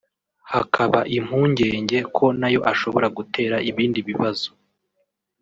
hakaba impungenge ko nayo ashobora gutera ibindi bibazo